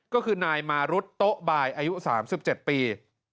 ก็คือนายมารุดโต๊ะบายอายุ๓๗ปี